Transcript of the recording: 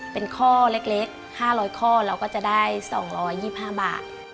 เป็นข้อเล็ก๕๐๐ข้อเราก็จะได้๒๒๕บาท